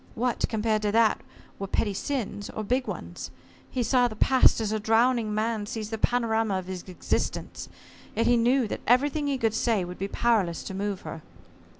What, compared to that, were petty sins, or big ones? He saw the past as a drowning man sees the panorama of his existence. Yet he knew that everything he could say would be powerless to move her.